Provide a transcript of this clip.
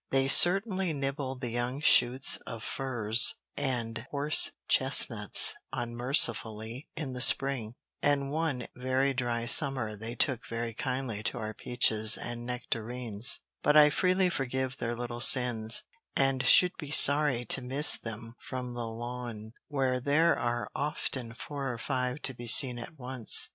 They certainly nibble the young shoots of firs and horse chestnuts unmercifully in the spring, and one very dry summer they took very kindly to our peaches and nectarines; but I freely forgive their little sins, and should be sorry to miss them from the lawn where there are often four or five to be seen at once.